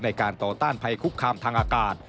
ในการต่อต้านภัยคุกคามทางอากาศ